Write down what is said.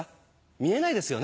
見えないですよね。